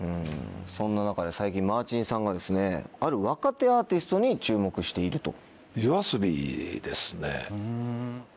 そんな中で最近マーチンさんがですねある若手アーティストに注目していると。